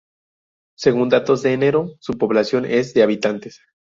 Según datos de enero de su población es de habitantes.